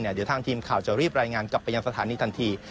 เดี๋ยวทางทีมข่าวจะรีบรายงานกลับไปยังสถานีทันที